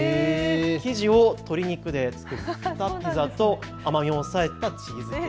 生地を鶏肉で作ったピザと甘みを抑えたチーズケーキ。